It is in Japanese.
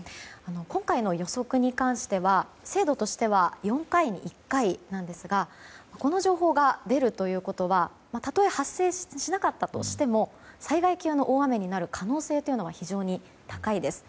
今回の予測に関しては精度としては４回に１回なんですがこの情報が出るということはたとえ発生しなかったとしても災害級の大雨になる可能性が非常に高いです。